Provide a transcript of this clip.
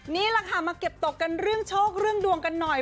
นี่แหละค่ะมาเก็บตกกันเรื่องโชคเรื่องดวงกันหน่อย